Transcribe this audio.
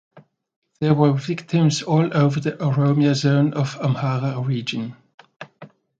There were victims all over the Oromia Zone of Amhara region.